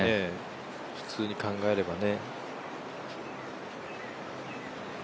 普通に考えればね。